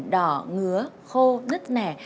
đỏ ngứa khô nứt nẻ